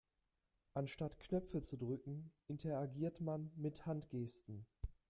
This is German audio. Anstatt Knöpfe zu drücken, interagiert man mit Handgesten.